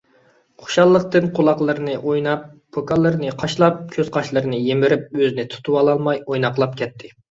خۇشاللىقتىن قۇلاقلىرىنى ئويناپ، پوكانلىرىنى قاشلاپ، كۆز - قاشلىرىنى يىمىرىپ ئۆزىنى تۇتۇۋالالماي ئويناقلاپ كەتتى.